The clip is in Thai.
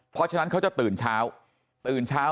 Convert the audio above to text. เพราะฉะนั้นเขาจะตื่นเช้า